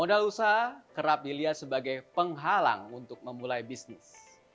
modal usaha kerap dilihat sebagai penghalang untuk memulai bisnis